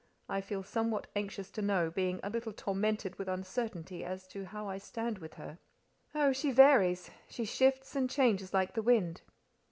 I feel somewhat anxious to know, being a little tormented with uncertainty as to how I stand with her." "Oh, she varies: she shifts and changes like the wind."